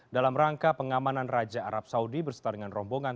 dalam rangka pengamanan raja arab saudi berserta dengan rombongan